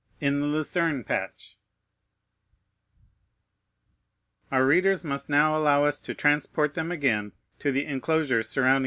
In the Lucern Patch Our readers must now allow us to transport them again to the enclosure surrounding M.